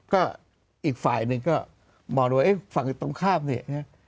ก็อีกฝ่ายหนึ่งก็มองดูว่าฝั่งตรงข้ามเนี่ยนะ